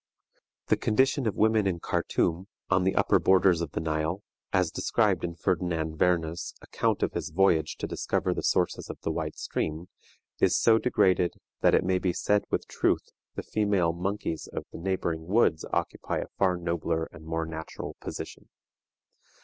The condition of women in Khartum, on the upper borders of the Nile, as described in Ferdinand Werne's account of his voyage to discover the sources of the White Stream, is so degraded that it may be said with truth the female monkeys of the neighboring woods occupy a far nobler and more natural position.